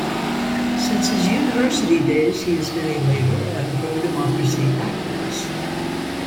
Since his university days, he has been a labour and pro-democracy activist.